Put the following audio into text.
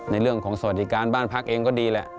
ในเรื่องของสวัสดิการบ้านพักเองก็ดีแหละ